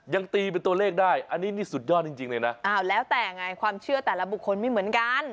ยังตีเป็นตัวเลขได้อันนี้นี่สุดยอดจริงเลยนะอ้าวแล้วแต่ไงความเชื่อแต่ละบุคคลไม่เหมือนกัน